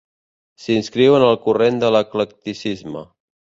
S'inscriu en el corrent de l'eclecticisme.